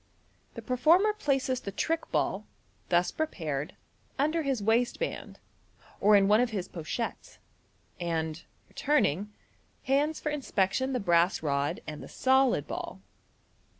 The performer places the trick ball, thus prepared, under his waistband, or in one of his pochettes, and, returning, hands for inspection the brass rod and the solid ball.